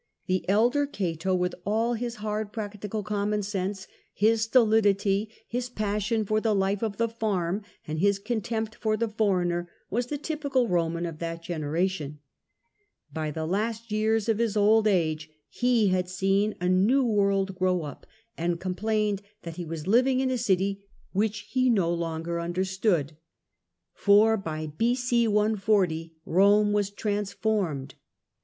The elder Cato, with all his hard practical common sense, his stolidity, his passion for the life of the farm, and his contempt for the foreigner, was the typical Roman of that generation. By the last years of his old age he had seen a new world grow up, and complained that he was living in a city which he no longer under stood. For by b.c. 140 Rome was transformed.